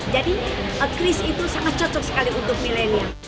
jadi kris itu sangat cocok sekali untuk milenial